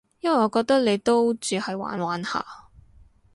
因為我覺得你都只係玩玩下